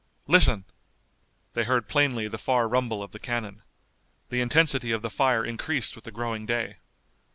Listen!" They heard plainly the far rumble of the cannon. The intensity of the fire increased with the growing day.